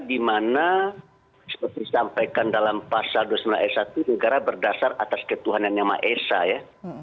dimana seperti disampaikan dalam pasal dua puluh sembilan s satu negara berdasar atas ketuhanan yang maha esa ya